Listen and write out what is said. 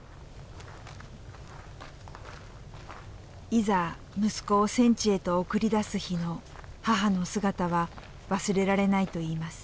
いざ息子を戦地へと送り出す日の母の姿は忘れられないといいます。